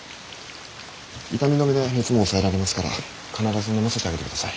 痛み止めで熱も抑えられますから必ずのませてあげてください。